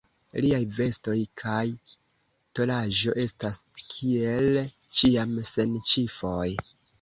Liaj vestoj kaj tolaĵo estas kiel ĉiam sen ĉifoj.